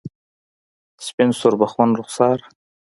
سپین سوربخن رخسار